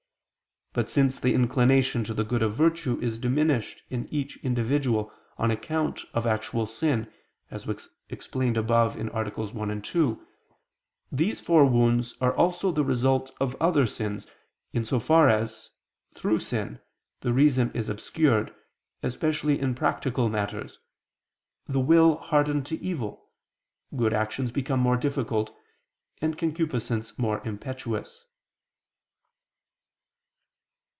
But since the inclination to the good of virtue is diminished in each individual on account of actual sin, as was explained above (AA. 1, 2), these four wounds are also the result of other sins, in so far as, through sin, the reason is obscured, especially in practical matters, the will hardened to evil, good actions become more difficult and concupiscence more impetuous.